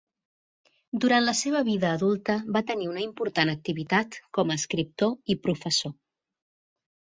Durant la seva vida adulta va tenir una important activitat com a escriptor i professor.